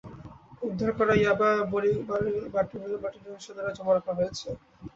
উদ্ধার করা ইয়াবা বড়িগুলো ব্যাটালিয়ন সদরে জমা রাখা হয়েছে।